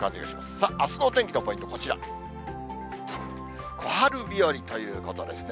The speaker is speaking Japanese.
さあ、あすのお天気のポイント、こちら、小春日和ということですね。